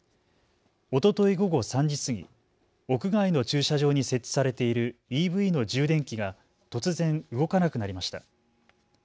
おととい午後３時過ぎ、屋外の駐車場に設置されているＥＶの充電器が突然動かなくなりました。